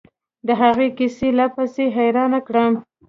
د هغه کيسې لا پسې حيران کړم.